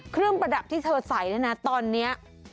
เครื่องประดับที่เธอใส่เนี่ยนะตอนเนี้ย